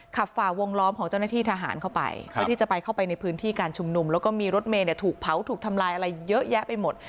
ฝ่าวงล้อมของเจ้าหน้าที่ทหารเข้าไปเพื่อที่จะไปเข้าไปในพื้นที่การชุมนุมแล้วก็มีรถเมย์ถูกเผาถูกทำลายอะไรเยอะแยะไปหมด